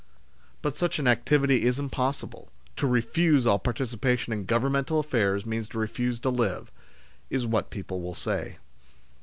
" But such an activity is impossible : to refuse all participation in Governmental affairs, means to refuse to live " is what people will say.